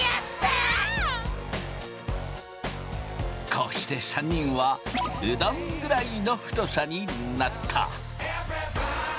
こうして３人はうどんぐらいの太さになった。